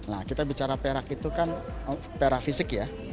nah kita bicara perak itu kan perak fisik ya